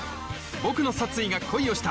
『ボクの殺意が恋をした』